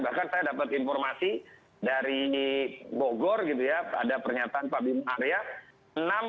bahkan saya dapat informasi dari bogor gitu ya ada pernyataan pak bima arya